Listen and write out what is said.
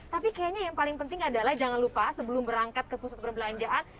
tapi kayaknya yang paling penting adalah jangan lupa sebelum berangkat ke pusat perbelanjaan